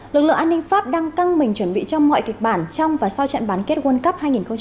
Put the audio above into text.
lực lượng an ninh pháp đang căng mình chuẩn bị cho mọi kịch bản trong và sau trận bán kết world cup hai nghìn hai mươi ba